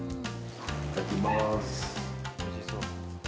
いただきまーす。